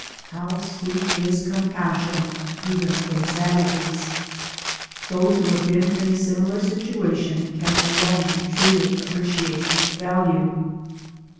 How sweet is compassion even from savages I Those who have been in a similar situation, can alone truly appreciate its value.